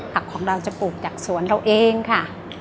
ผักของเราจะปลูกจากสวนเราเองค่ะ